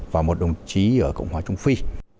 và một đồng chí ở cộng hòa trung phi